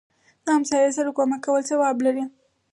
دهمسایه سره کومک کول ثواب لري